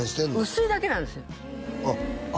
薄いだけなんですよあっ